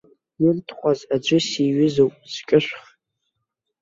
Иртҟәаз аӡәы сиҩызоуп, сҿышәх.